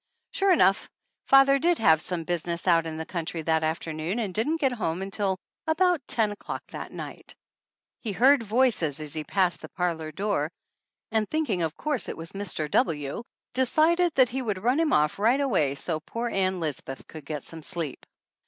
Sure enough father did have some business out in the country that afternoon and didn't get home until about ten o'clock that night. He heard voices as he passed the parlor door, and thinking of course it was Mr. W., decided that he would run him off right away so poor Ann Lisbeth could get some sleep.